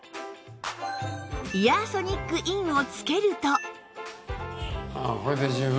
イヤーソニックインをつけると